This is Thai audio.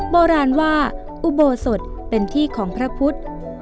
โบราณว่าอุโบสถเป็นที่ของพระพุทธ